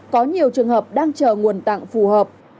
có nhiều trường hợp đang chờ nguồn tặng phù hợp